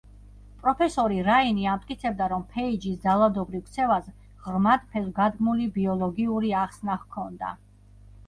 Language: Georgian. პროფესორი რაინი ამტკიცებდა, რომ ფეიჯის ძალადობრივ ქცევას ღრმად ფესვგადგმული ბიოლოგიური ახსნა ჰქონდა.